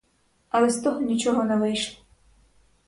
Але з того нічого не вийшло.